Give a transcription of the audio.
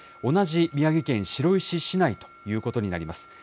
同じ宮城県白石市内ということになります。